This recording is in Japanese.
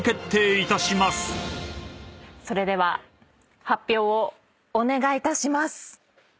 それでは発表をお願いいたします。